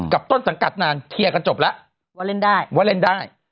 กับต้นสังกัดนานเคลียร์กันจบแล้วว่าเล่นได้